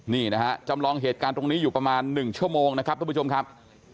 นี่นะฮะจำลองเหตุการณ์ตรงนี้อยู่ประมาณ๑ชั่วโมงนะครับทุกผู้ชมครับ